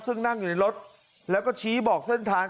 ซึ่งนั่งอยู่ในรถแล้วก็ชี้บอกเส้นทาง